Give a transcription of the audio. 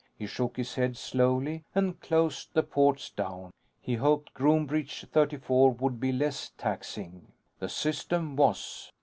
He shook his head slowly and closed the ports down. He hoped Groombridge 34 would be less taxing. The system was.